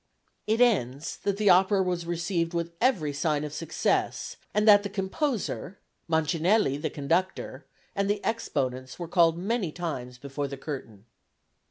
It ends, that the opera was received with every sign of success, and that the composer, Mancinelli, the conductor, and the exponents were called many times before the curtain.